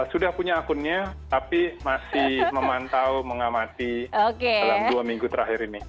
sudah punya akunnya tapi masih memantau mengamati dalam dua minggu terakhir ini